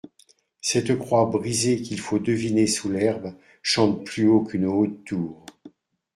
Cette croix brisée qu'il faut deviner sous l'herbe chante plus haut qu'une haute tour.